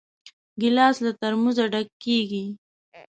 ګیلاس له ترموزه ډک کېږي.